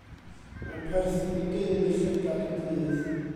Mae'n perthyn i deulu llygad y dydd.